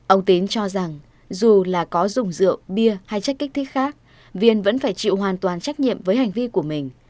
ông tín cho rằng dù là có dùng rượu bia hay chất kích thích khác viên vẫn phải chịu hoàn toàn trách nhiệm với hành vi của mình